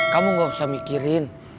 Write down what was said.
kamu gak usah mikirin